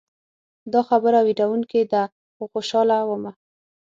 دا خبره ویروونکې ده خو خوشحاله ومه.